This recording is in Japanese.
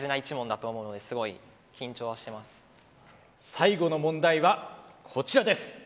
最後の問題はこちらです。